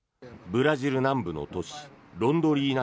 ブラジル南部の都市ロンドリーナ